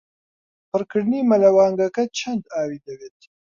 پڕکردنی مەلەوانگەکەت چەند ئاوی دەوێت؟